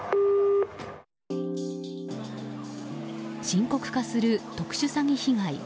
深刻化する特殊詐欺被害。